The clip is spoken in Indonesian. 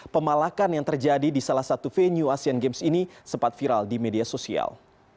pemalakan yang terjadi di salah satu venue asian games ini sempat viral di media sosial